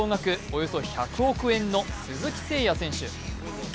およそ１００億円の鈴木誠也選手。